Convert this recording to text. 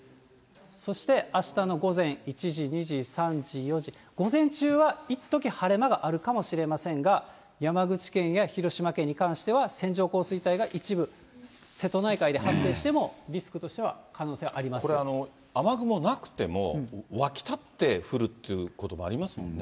そしてあしたの午前１時、２時、３時、４時、午前中はいっとき、晴れ間があるかもしれませんが、山口県や広島県に関しては、線状降水帯が一部、瀬戸内海で発生しても、これ、雨雲なくても、湧き立って降るっていうこともありますもんね。